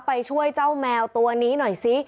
ไปช่วยเจ้าแมวตัวนี้หน่อยซิ